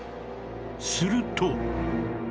すると